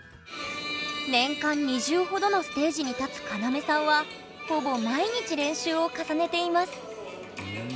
年間２０ほどのステージに立つカナメさんはほぼ毎日練習を重ねています